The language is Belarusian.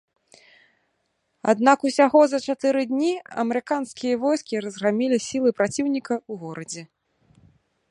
Аднак усяго за чатыры дні амерыканскія войскі разграмілі сілы праціўніка ў горадзе.